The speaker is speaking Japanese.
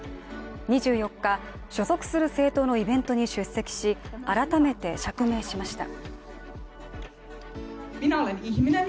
２４日、所属する政党のイベントに出席し改めて釈明しました。